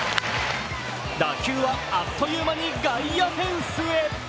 打球はあっという間に外野フェンスへ。